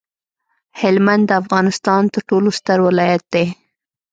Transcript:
هلمند د افغانستان ترټولو ستر ولایت دی